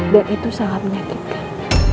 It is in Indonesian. dan itu sangat menyakitkan